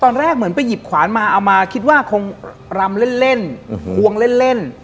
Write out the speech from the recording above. ตอนแรกเหมือนไปหยิบขวานมาเอามาคิดว่าคงรำเล่นควงเล่น